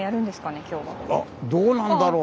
あっどうなんだろう。